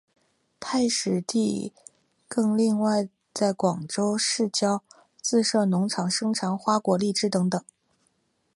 太史第更另外在广州市郊自设农场生产花果荔枝等等。